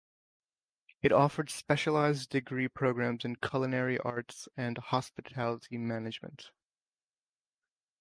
It offered specialized degree programs in Culinary Arts and Hospitality Management.